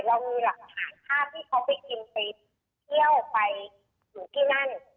เรามีหลักฐานภาพที่เขาไปกินไปเที่ยวไปอยู่ที่นั่น